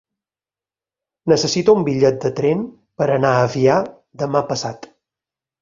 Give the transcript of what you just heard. Necessito un bitllet de tren per anar a Avià demà passat.